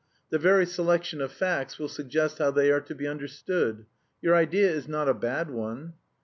The very selection of facts will suggest how they are to be understood. Your idea is not a bad one."